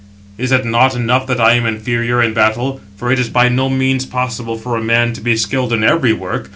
Is it not enough that I am inferior in battle? 766 For it is by no means possible for a man to be skilled in every work.